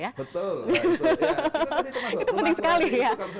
itu penting sekali ya